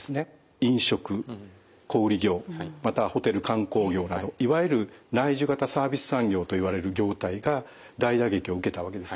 飲食小売業またはホテル観光業などいわゆる内需型サービス産業といわれる業態が大打撃を受けたわけですね。